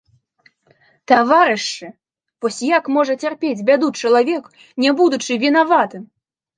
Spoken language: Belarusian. Таварышы, вось як можа цярпець бяду чалавек, не будучы вінаватым.